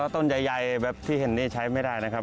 ต้นใหญ่แบบที่เห็นนี่ใช้ไม่ได้นะครับ